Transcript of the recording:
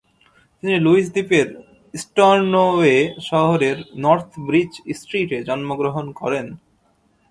তিনি লুইস দ্বীপের স্টর্নোওয়ে শহরের নর্থ ব্রিচ স্ট্রিটে জন্মগ্রহণ করেন।